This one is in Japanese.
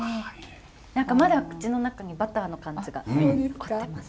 何かまだ口の中にバターの感じが残ってます。